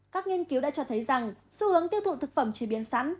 các nghiên cứu đã cho thấy rằng xu hướng tiêu thụ thực phẩm chế biến sẵn